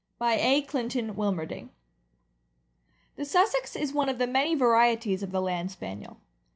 BY A. CLINTON WILMERDING. >HE Sussex is one of the many varieties of the Land Spaniel.